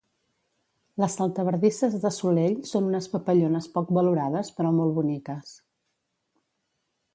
Les saltabardisses de solell són unes papallones poc valorades però molt boniques.